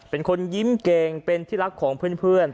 เป็นคนยิ้มเก่งเป็นที่รักของเพื่อน